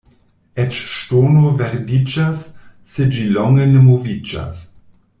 Eĉ ŝtono verdiĝas, se ĝi longe ne moviĝas.